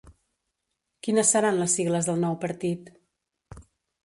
Quines seran les sigles del nou partit?